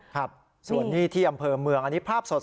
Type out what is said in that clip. ครับส่วนนี้ที่อำเภอเมืองอันนี้ภาพสด